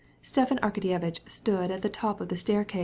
Stepan Arkadyevitch was standing at the top of the stairs.